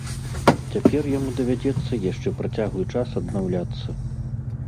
Цяпер яму давядзецца яшчэ працяглы час аднаўляцца.